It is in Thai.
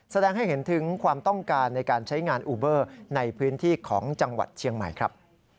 แสดงให้เห็นถึงความต้องการในการใช้งานอูเบอร์ในพื้นที่ของจังหวัดเชียงใหม่ครับ